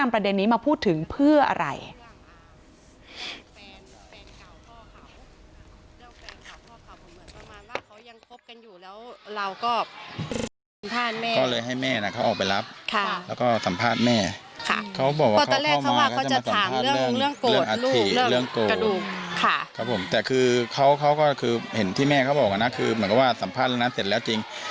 ประเด็นนี้มาพูดถึงเพื่ออะไร